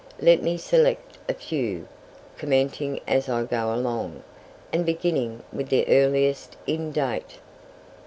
Let me select a few, commenting as I go along, and beginning with the earliest in date.